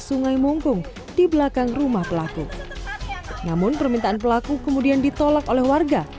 sungai mungkung di belakang rumah pelaku namun permintaan pelaku kemudian ditolak oleh warga